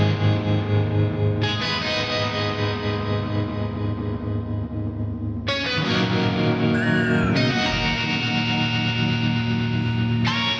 ditembak lurus woundangrrrrrrr